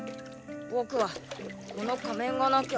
僕はこの仮面がなきゃ。